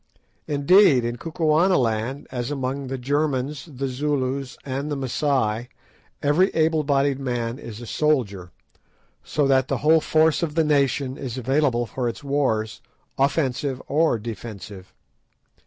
Indeed, in Kukuanaland, as among the Germans, the Zulus, and the Masai, every able bodied man is a soldier, so that the whole force of the nation is available for its wars, offensive or defensive.